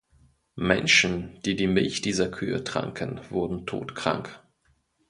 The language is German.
Menschen, die die Milch dieser Kühe tranken, wurden todkrank.